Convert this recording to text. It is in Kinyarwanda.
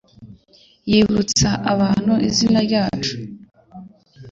yibutsa abantu izina ryacu